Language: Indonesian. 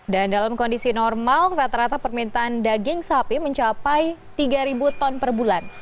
dan dalam kondisi normal rata rata permintaan daging sapi mencapai tiga ribu ton per bulan